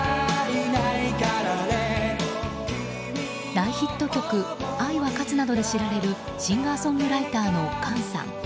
大ヒット曲「愛は勝つ」などで知られるシンガーソングライターのＫＡＮさん。